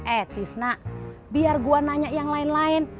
eh tiff nak biar gua nanya yang lain lain